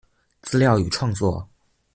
資料與創作